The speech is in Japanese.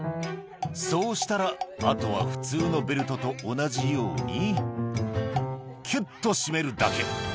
「そうしたらあとは普通のベルトと同じようにきゅっと締めるだけ」